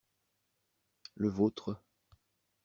Le vôtre.